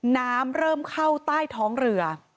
น้ำเริ่มเข้าใต้ท้องเรือ